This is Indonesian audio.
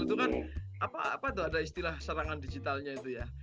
itu kan apa tuh ada istilah serangan digitalnya itu ya